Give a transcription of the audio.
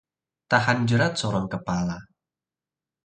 Tahan jerat sorong kepala